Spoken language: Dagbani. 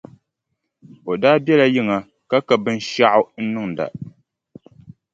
O daa biɛla yiŋa ka ka binshɛɣu n-niŋda.